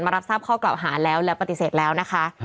รับทราบข้อกล่าวหาแล้วและปฏิเสธแล้วนะคะ